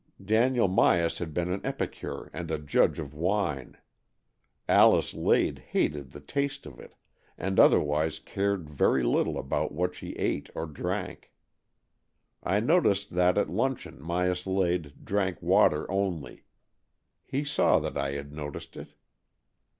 Daniel Myas had been an epicure and a judge of wine. Alice Lade hated the taste of it, and otherwise cared very little about what she ate or drank. I noticed that at luncheon Myas Lade drank water only. He saw that I had noticed it.